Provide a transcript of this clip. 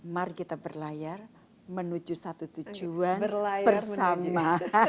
mari kita berlayar menuju satu tujuan bersama